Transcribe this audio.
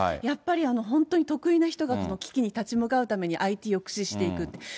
やっぱり、本当に得意な人が危機に立ち向かうためにＩＴを駆使していく。